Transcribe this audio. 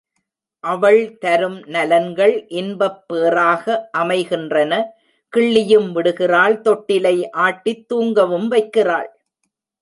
அவள் தரும் நலன்கள் இன்பப் பேறாக அமைகின்றன. கிள்ளியும் விடுகிறாள் தொட்டிலை ஆட்டித் தூங்கவும் வைக்கிறாள்.